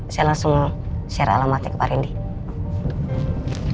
saya langsung share alamatnya ke pak rindy